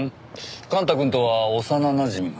幹太くんとは幼なじみなの？